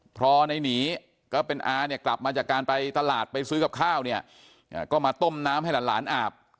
พอในหนีก็เป็นอาเนี่ยกลับมาจากการไปตลาดไปซื้อกับข้าวเนี่ยก็มาต้มน้ำให้หลานอาบ